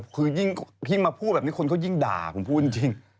คือยิ่งที่มาพูดแบบนี้คนก็ยิ่งด่าผมพูดจริง